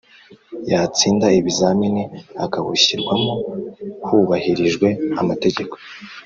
yatsinda ibizamini akawushyirwamo hubahirijwe amategeko